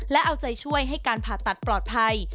และเอาใจช่วยให้การผ่าตัดปลอดภัย